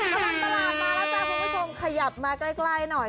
ตะลัดปลาแล้วจากเพื่อนคุณผู้ชมคยับมาใกล้หน่อย